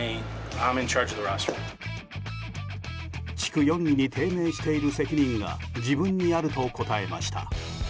地区４位に低迷している責任が自分にあると答えました。